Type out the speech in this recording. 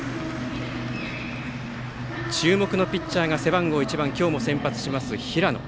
注目のピッチャーが背番号１番今日も先発する平野。